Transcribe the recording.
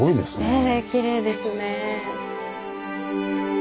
ええきれいですね。